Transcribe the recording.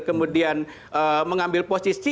kemudian mengambil posisi